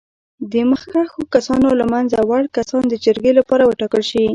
د مخکښو کسانو له منځه وړ کسان د جرګې لپاره وټاکل شي.